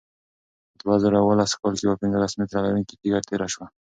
په دوه زره اوولس کال کې یوه پنځلس متره لرونکې تیږه تېره شوه.